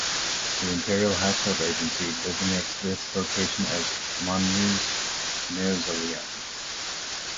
The Imperial Household Agency designates this location as Monmu's mausoleum.